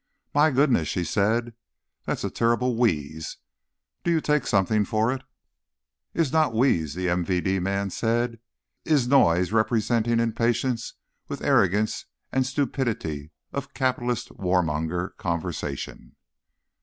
"My goodness," she said. "That's a terrible wheeze. Do you take something for it?" "Is not wheeze," the MVD man said. "Is noise representing impatience with arrogance and stupidity of capitalist warmonger conversation."